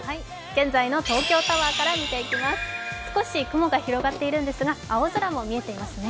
現在の東京タワーから見ていきます、雲が広がっていますが青空も見えていますね。